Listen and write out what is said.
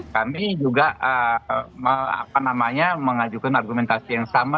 kami juga mengajukan argumentasi yang sama